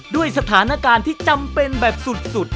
ด้วยสถานการณ์ที่จำเป็นแบบสุด